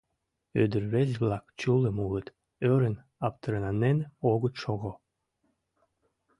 — Ӱдыр-рвезе-влак чулым улыт, ӧрын-аптыранен огыт шого.